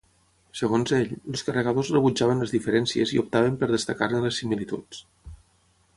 Segons ell, els carregadors rebutjaven les diferències i optaven per destacar-ne les similituds.